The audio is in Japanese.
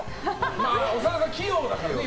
まあ長田さん器用だから。